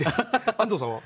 安藤さんは？